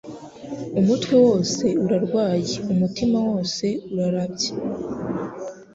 "Umutwe wose urarwaye, umutima wose urarabye.